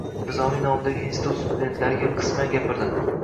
Nizomiy nomidagi institut studentlariga qisman gapirdim.